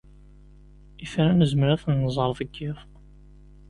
Itran nezmer ad ten-nẓer deg yiḍ.